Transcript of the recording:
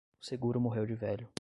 O seguro morreu de velho.